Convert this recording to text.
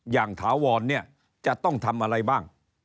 ถาวรเนี่ยจะต้องทำอะไรบ้าง